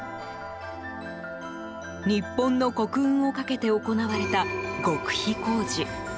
日本の国運をかけて行われた極秘工事。